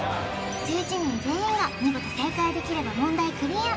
１１人全員が見事正解できれば問題クリア！